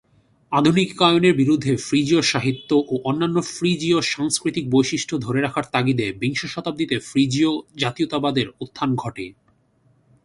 আধুনিকায়নের বিরুদ্ধে ফ্রিজীয় সাহিত্য ও অন্যান্য ফ্রিজীয় সাংস্কৃতিক বৈশিষ্ট্য ধরে রাখার তাগিদে বিংশ শতাব্দীতে ফ্রিজীয় জাতীয়তাবাদের উত্থান ঘটে।